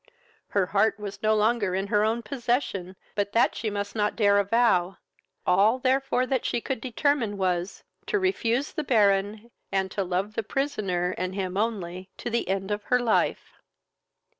Her heart was no longer in her own possession, but that she must not dare to avow; all therefore that she could determine was, to refuse the Baron, and to love the prisoner, and him only, to the end of her life.